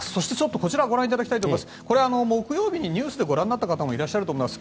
こちらご覧いただきたいんですが木曜日にニュースでご覧になった方もいらっしゃると思います。